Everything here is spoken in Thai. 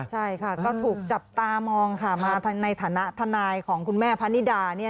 ใช่ค่ะก็ถูกจับตามองค่ะมาในฐานะทนายของคุณแม่พะนิดา